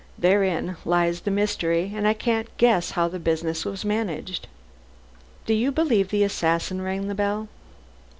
Therein lies the mystery, and I can't guess how the business was managed." "Do you believe the assassin rang the bell?"